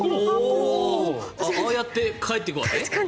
ああやって帰っていくわけ？